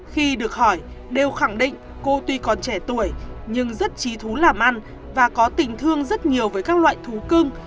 khi được hỏi đều khẳng định cô tuy còn trẻ tuổi nhưng rất trí thú làm ăn và có tình thương rất nhiều với các loại thú cưng